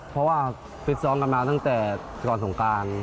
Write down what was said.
เพราะว่าฟิตซ้อมกันมาตั้งแต่ก่อนสงการ